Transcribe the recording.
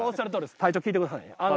隊長聞いてください。